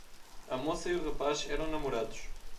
A moça e o rapaz eram namorados.